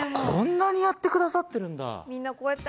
こんなにやってくださってるんだ。